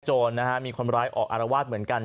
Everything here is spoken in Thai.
โจรนะฮะมีคนร้ายออกอารวาสเหมือนกัน